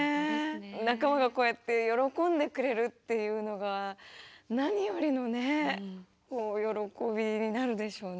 仲間がこうやって喜んでくれるっていうのが何よりのね喜びになるでしょうね。